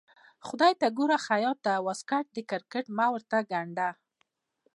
خدای ته ګوره خياطه واسکټ د کرکټ مه ورته ګنډه.